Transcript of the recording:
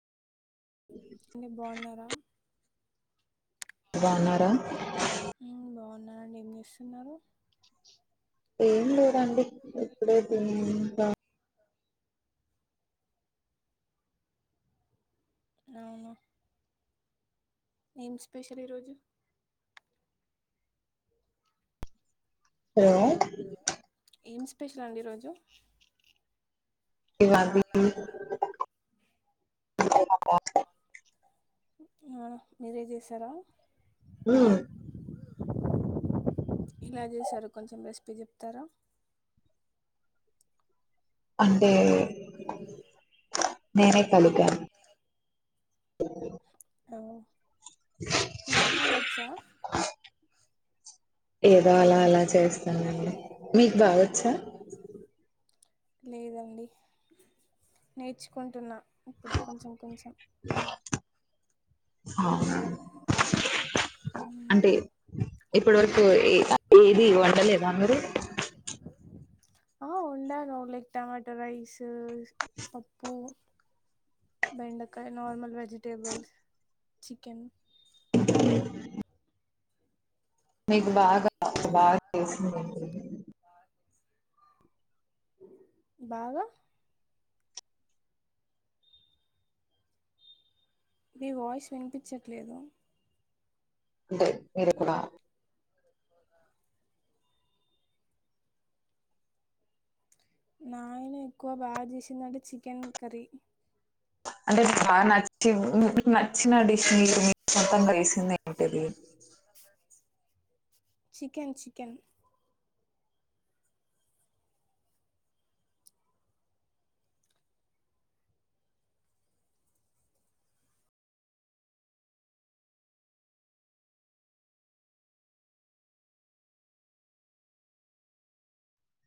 మీరు బోన్నర బోనరా బోనండి ఏం చేస్తున్నారు ఏం లేదండి ఇప్పుడే తిని అవున ఏం స్పెషల్ ఈరోజు హలో ఏం స్పెషల్ అండి ఈరోజు ఇ వన్ వీక్ [unintelligible] ఆ మీరే చేసారా హ్మ్ ఇలా చేసారు కొంచెం రెసిపీ చెప్తారా అంటే నేనే కలిపను మీకు కుకింగ్ వచ్చా ఏదో అలా అలా చేస్తానండి మీకు బాగొచ్చా లేదండి నేర్చుకుంటున్నాను ఇప్పుడే కొంచెం కొంచెం అవున హ్మ్ ఇప్పటి వరకు ఏ ఏది వండలేదా మీరు ఆ వండాను లైక్ టమాటో రైస్ పప్పు బెండకాయ నార్మల్ వెజిటేబల్స్ చికెన్ అ మీకు బాగా బాగా వేసింది బాగా నీ వాయిస్ వినిపించట్లేదు [unintelligible] నాయన ఎక్కువ బా చేసిందంటే చికెన్ కర్రీ అంటే బా నచ్చినా నీకు నచ్చిన డిష్ [unintelligible] చికెన్ చికెన్